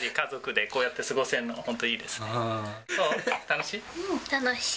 楽しい？